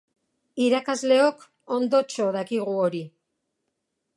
Irakasleok ondotxo dakigu hori.